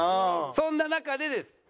そんな中でです